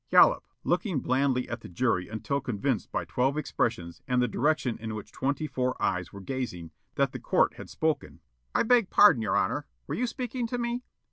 Yollop, looking blandly at the jury until convinced by twelve expressions and the direction in which twenty four eyes were gazing that the court had spoken: "I beg pardon, your honor. Were you speaking to me?"